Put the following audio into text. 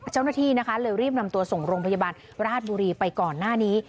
เจ้าหน้าที่นะคะเลยรีบนำตัวส่งโรงพยาบาลราชบุรีไปก่อนหน้านี้